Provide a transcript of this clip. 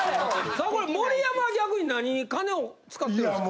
さあこれ盛山は逆に何に金を使ってるんですか？